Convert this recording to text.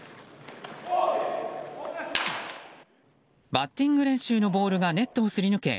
バッティング練習のボールがネットをすり抜け